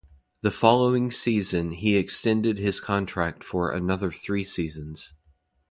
The following season he extended his contract for another three seasons.